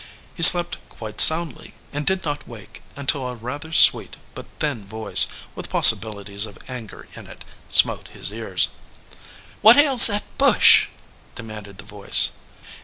He slept quite soundly, and did not wake until a rather sweet, but thin voice, with possibilities of anger in it, smote his ears. "What ails that bush?" demanded the voice.